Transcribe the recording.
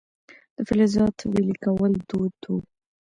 د فلزاتو ویلې کول دود و